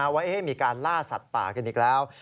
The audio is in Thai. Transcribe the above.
เอาไว้ให้มีการล่าสัตว์ป่าขึ้นอีกแล้ว